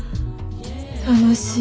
楽しい。